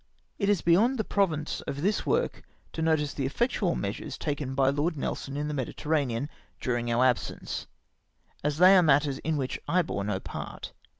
It is beyond the province of this work to notice the effectual measures taken by Lord Nelson in the Mediter ranean during our absence, as they are matters in which I bore no part.